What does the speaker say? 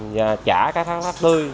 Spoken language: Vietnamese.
và chả cá thác lát tươi